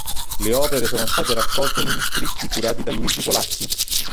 Le opere sono state raccolte negli "Scritti" curati da Luigi Polacchi.